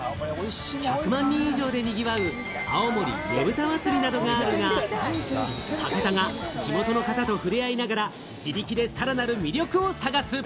１００万人以上でにぎわう青森ねぶた祭りなどがあるが、武田が地元の方と触れ合いながら、自力でさらなる魅力を探す。